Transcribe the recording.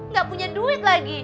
gak punya duit lagi